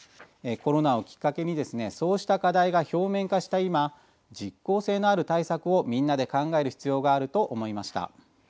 コロナをきっかけにそうした課題が表面化した今実効性のある対策をみんなで考える必要があると思いました。